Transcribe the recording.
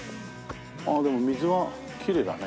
ああでも水はきれいだね。